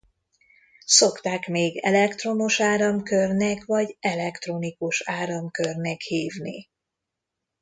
Szokták még elektromos áramkörnek vagy elektronikus áramkörnek hívni.